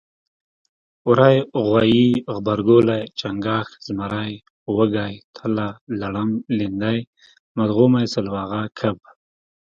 وری غوایي غبرګولی چنګاښ زمری وږی تله لړم لیندۍ مرغومی سلواغه کب